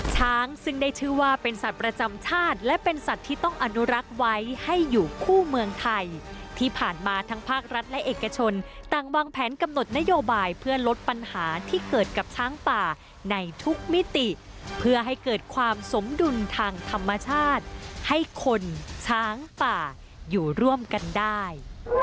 ช้างซึ่งได้ชื่อว่าเป็นสัตว์ประจำชาติและเป็นสัตว์ที่ต้องอนุรักษ์ไว้ให้อยู่คู่เมืองไทยที่ผ่านมาทั้งภาครัฐและเอกชนต่างวางแผนกำหนดนโยบายเพื่อลดปัญหาที่เกิดกับช้างป่าในทุกมิติเพื่อให้เกิดความสมดุลทางธรรมชาติให้คนช้างป่าอยู่ร่วมกันได้